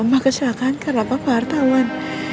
mama kesalahan karena papa hartawan